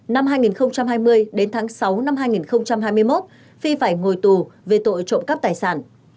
năm hai nghìn hai mươi đến tháng sáu năm hai nghìn hai mươi một phi phải ngồi tù về tội trộm cắp tài sản